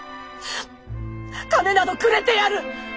金などくれてやる！